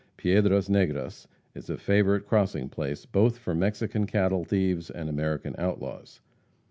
Piedras Negras is a favorite crossing place, both for Mexican cattle thieves and American outlaws.